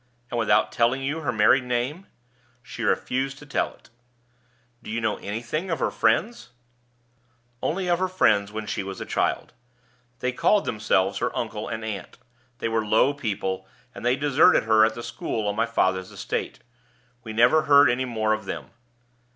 "And without telling you her married name?" "She refused to tell it." "Do you know anything of her friends?" "Only of her friends when she was a child. They called themselves her uncle and aunt. They were low people, and they deserted her at the school on my father's estate. We never heard any more of them."